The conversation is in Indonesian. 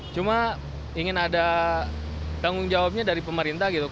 cuma ingin ada tanggung jawabnya dari pemerintah gitu